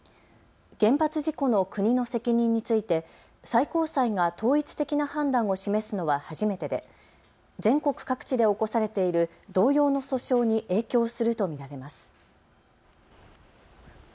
原発事故の国の責任について最高裁が統一的な判断を示すのは初めてで全国各地で起こされている同様の訴訟に影響すると見られます。